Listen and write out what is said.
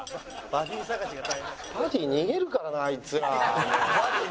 バディ逃げるからなあいつらもう。